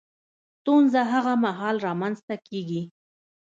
ستونزه هغه مهال رامنځ ته کېږي